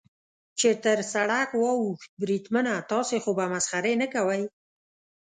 چې تر سړک واوښت، بریدمنه، تاسې خو به مسخرې نه کوئ.